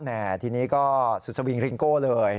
ทีนี้ก็สุดสวิงริงโก้เลย